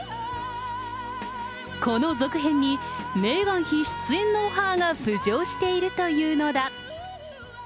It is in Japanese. この続編にメーガン妃出演のオファーが浮上しているというのだ。